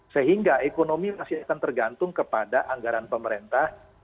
sehingga ekonomi masih akan tergantung kepada anggaran pemerintah